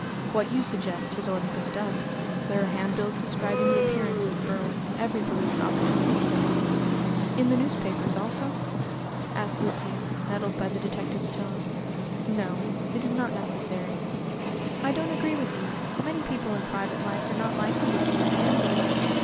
"What you suggest has already been done. There are handbills describing the appearance of Berwin in every police office in the kingdom." "In the newspapers, also?" asked Lucian, nettled by the detective's tone. "No; it is not necessary." "I don't agree with you. Many people in private life are not likely to see your handbills.